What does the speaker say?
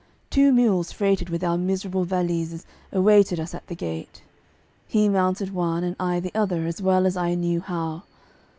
Two mules freighted with our miserable valises awaited us at the gate. He mounted one, and I the other as well as I knew how.